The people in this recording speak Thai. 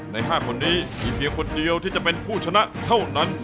ใน๕คนนี้มีเพียงคนเดียวที่จะเป็นผู้ชนะเท่านั้น